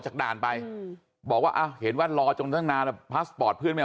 จากกลานได้บอกว่าเดี๋ยวว่ารอจงนานพาสพอร์ตเพื่อนไม่